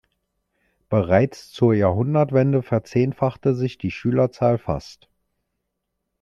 Bereits zur Jahrhundertwende verzehnfachte sich die Schülerzahl fast.